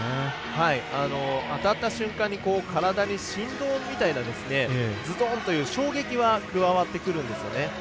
当たった瞬間に体に振動みたいなズドンという衝撃は加わってくるんですよね。